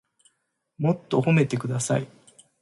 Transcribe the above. もっと褒めてください